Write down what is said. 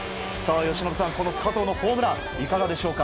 由伸さん、佐藤のホームランいかがでしょうか？